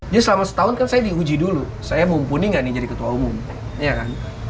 jadi selama setahun kan saya diuji dulu saya mumpuni nggak nih jadi ketua umum ya kan